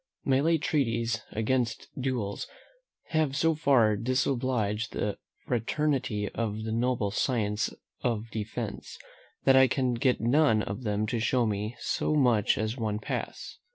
My late treatises against duels have so far disobliged the fraternity of the noble science of defence, that I can get none of them to show me so much as one pass.